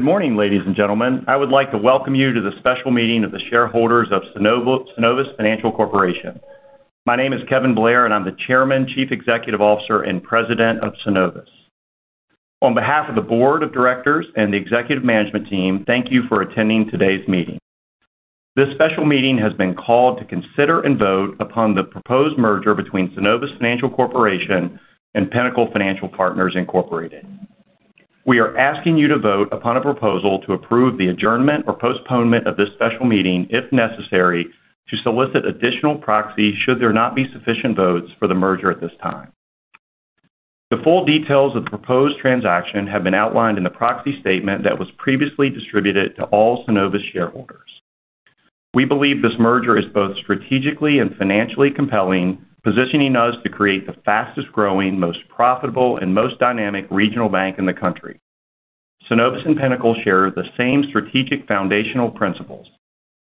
Good morning, ladies and gentlemen. I would like to welcome you to the special meeting of the shareholders of Synovus Financial Corporation. My name is Kevin Blair, and I'm the Chairman, Chief Executive Officer, and President of Synovus. On behalf of the Board of Directors and the Executive Management Team, thank you for attending today's meeting. This special meeting has been called to consider and vote upon the proposed merger between Synovus Financial Corporation and Pinnacle Financial Partners, Incorporated. We are asking you to vote upon a proposal to approve the adjournment or postponement of this special meeting if necessary to solicit additional proxies should there not be sufficient votes for the merger at this time. The full details of the proposed transaction have been outlined in the proxy statement that was previously distributed to all Synovus shareholders. We believe this merger is both strategically and financially compelling, positioning us to create the fastest-growing, most profitable, and most dynamic regional bank in the country. Synovus and Pinnacle share the same strategic foundational principles.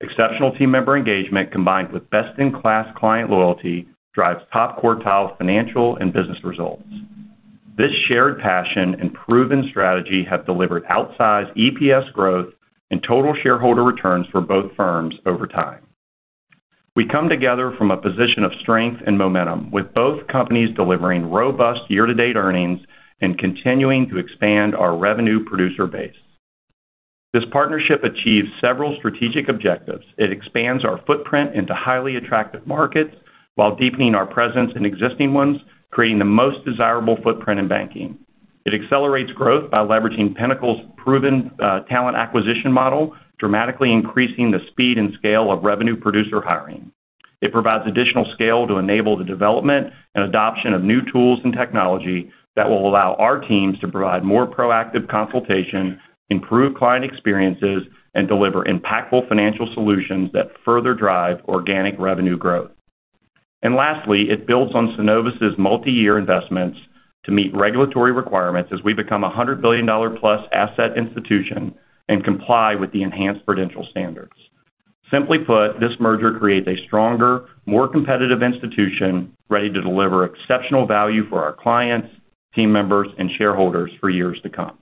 Exceptional team member engagement combined with best-in-class client loyalty drives top quartile financial and business results. This shared passion and proven strategy have delivered outsized EPS growth and total shareholder returns for both firms over time. We come together from a position of strength and momentum, with both companies delivering robust year-to-date earnings and continuing to expand our revenue producer base. This partnership achieves several strategic objectives. It expands our footprint into highly attractive markets while deepening our presence in existing ones, creating the most desirable footprint in banking. It accelerates growth by leveraging Pinnacle's proven talent acquisition model, dramatically increasing the speed and scale of revenue producer hiring. It provides additional scale to enable the development and adoption of new tools and technology that will allow our teams to provide more proactive consultation, improve client experiences, and deliver impactful financial solutions that further drive organic revenue growth. Lastly, it builds on Synovus's multi-year investments to meet regulatory requirements as we become a $100 billion+ asset institution and comply with the enhanced financial standards. Simply put, this merger creates a stronger, more competitive institution ready to deliver exceptional value for our clients, team members, and shareholders for years to come.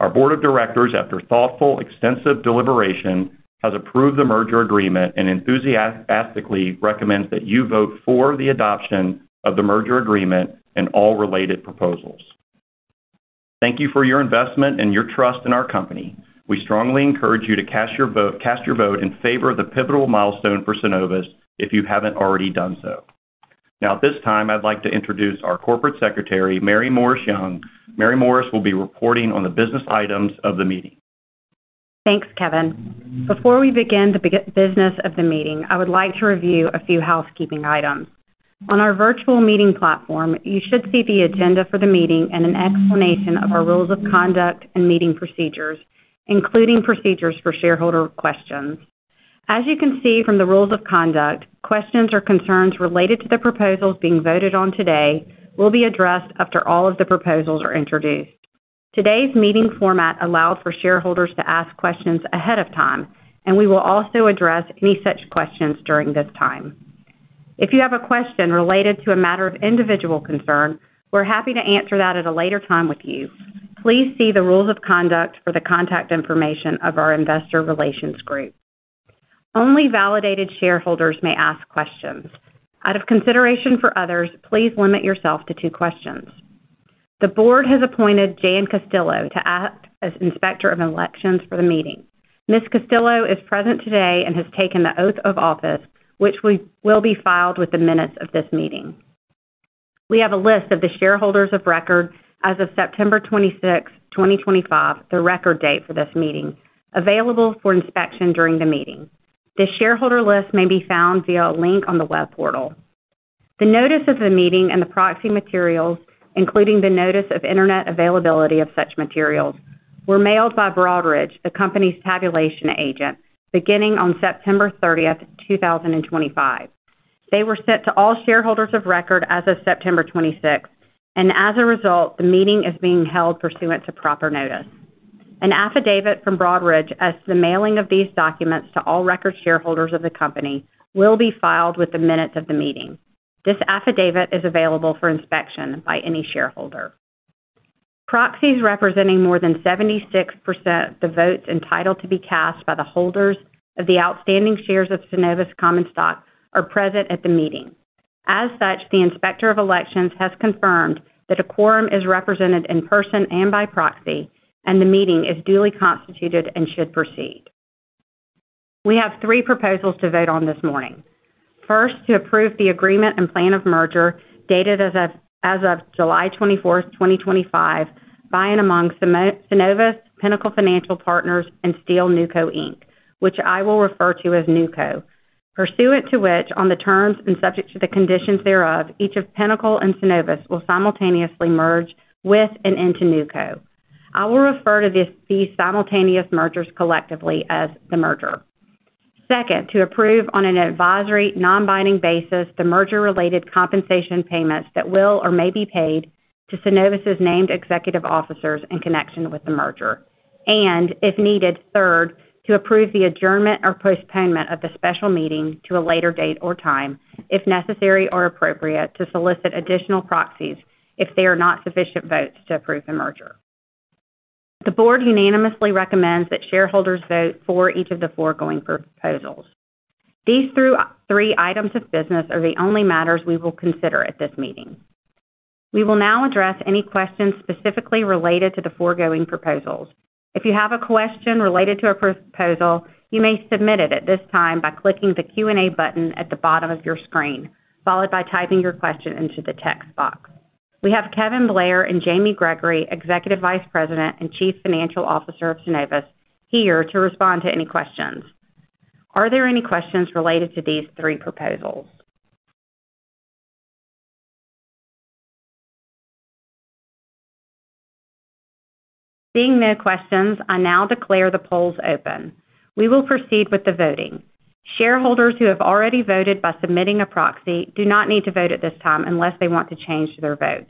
Our Board of Directors, after thoughtful, extensive deliberation, has approved the merger agreement and enthusiastically recommends that you vote for the adoption of the merger agreement and all related proposals. Thank you for your investment and your trust in our company. We strongly encourage you to cast your vote in favor of the pivotal milestone for Synovus if you haven't already done so. Now, at this time, I'd like to introduce our Corporate Secretary, Mary Maurice Young. Mary Maurice will be reporting on the business items of the meeting. Thanks, Kevin. Before we begin the business of the meeting, I would like to review a few housekeeping items. On our virtual meeting platform, you should see the agenda for the meeting and an explanation of our rules of conduct and meeting procedures, including procedures for shareholder questions. As you can see from the rules of conduct, questions or concerns related to the proposals being voted on today will be addressed after all of the proposals are introduced. Today's meeting format allows for shareholders to ask questions ahead of time, and we will also address any such questions during this time. If you have a question related to a matter of individual concern, we're happy to answer that at a later time with you. Please see the rules of conduct for the contact information of our Investor Relations Group. Only validated shareholders may ask questions. Out of consideration for others, please limit yourself to two questions. The Board has appointed Jane Costello to act as Inspector of Elections for the meeting. Ms. Costello is present today and has taken the oath of office, which will be filed with the minutes of this meeting. We have a list of the shareholders of record as of September 26, 2025, the record date for this meeting, available for inspection during the meeting. The shareholder list may be found via a link on the web portal. The notice of the meeting and the proxy materials, including the notice of internet availability of such materials, were mailed by Broadridge, the company's tabulation agent, beginning on September 30th, 2025. They were sent to all shareholders of record as of September 26, and as a result, the meeting is being held pursuant to proper notice. An affidavit from Broadridge as to the mailing of these documents to all record shareholders of the company will be filed with the minutes of the meeting. This affidavit is available for inspection by any shareholder. Proxies representing more than 76% of the votes entitled to be cast by the holders of the outstanding shares of Synovus Common Stock are present at the meeting. As such, the Inspector of Elections has confirmed that a quorum is represented in person and by proxy, and the meeting is duly constituted and should proceed. We have three proposals to vote on this morning. First, to approve the agreement and plan of merger dated as of July 24th, 2025, by and among Synovus, Pinnacle Financial Partners, and Steel Nuco, Inc, which I will refer to as Nuco, pursuant to which, on the terms and subject to the conditions thereof, each of Pinnacle and Synovus will simultaneously merge with and into Nuco. I will refer to these simultaneous mergers collectively as the merger. Second, to approve on an advisory, non-binding basis, the merger-related compensation payments that will or may be paid to Synovus's named executive officers in connection with the merger, and if needed, third, to approve the adjournment or postponement of the special meeting to a later date or time, if necessary or appropriate, to solicit additional proxies if there are not sufficient votes to approve the merger. The Board unanimously recommends that shareholders vote for each of the foregoing proposals. These three items of business are the only matters we will consider at this meeting. We will now address any questions specifically related to the foregoing proposals. If you have a question related to a proposal, you may submit it at this time by clicking the Q&A button at the bottom of your screen, followed by typing your question into the text box. We have Kevin Blair and Jamie Gregory, Executive Vice President and Chief Financial Officer of Synovus, here to respond to any questions. Are there any questions related to these three proposals? Seeing no questions, I now declare the polls open. We will proceed with the voting. Shareholders who have already voted by submitting a proxy do not need to vote at this time unless they want to change their vote.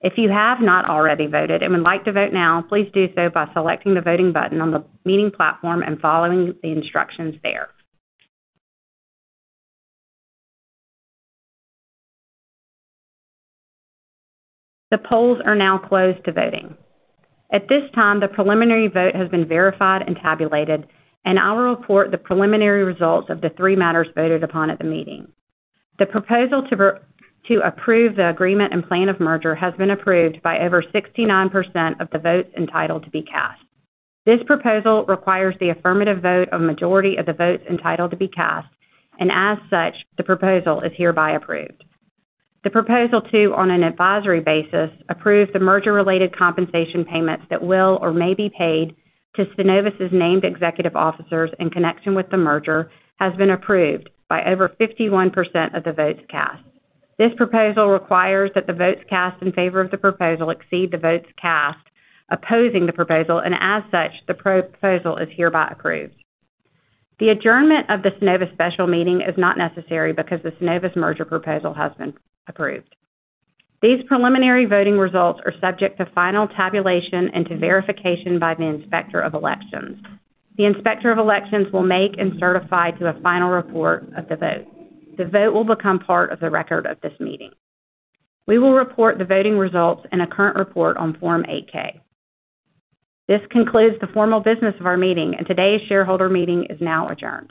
If you have not already voted and would like to vote now, please do so by selecting the voting button on the meeting platform and following the instructions there. The polls are now closed to voting. At this time, the preliminary vote has been verified and tabulated, and I will report the preliminary results of the three matters voted upon at the meeting. The proposal to. Approve the agreement and plan of merger has been approved by over 69% of the votes entitled to be cast. This proposal requires the affirmative vote of a majority of the votes entitled to be cast, and as such, the proposal is hereby approved. The proposal to, on an advisory basis, approve the merger-related compensation payments that will or may be paid to Synovus's named executive officers in connection with the merger has been approved by over 51% of the votes cast. This proposal requires that the votes cast in favor of the proposal exceed the votes cast opposing the proposal, and as such, the proposal is hereby approved. The adjournment of the Synovus special meeting is not necessary because the Synovus merger proposal has been approved. These preliminary voting results are subject to final tabulation and to verification by the Inspector of Elections. The Inspector of Elections will make and certify to a final report of the vote. The vote will become part of the record of this meeting. We will report the voting results in a current report on Form 8-K. This concludes the formal business of our meeting, and today's shareholder meeting is now adjourned.